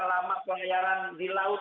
lama penyayaran di laut itu